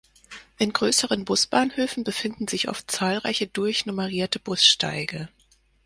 In größeren Busbahnhöfen befinden sich oft zahlreiche durchnummerierte Bussteige.